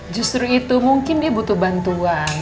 justru itu mungkin dia butuh bantuan